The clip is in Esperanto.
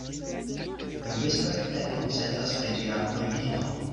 Lingvistoj ne konsentas pri ĝia origino.